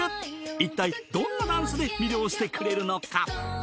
一体どんなダンスで魅了してくれるのか？